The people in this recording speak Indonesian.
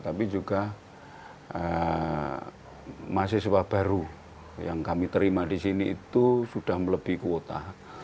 tapi juga mahasiswa baru yang kami terima di sini itu sudah melebihi kuota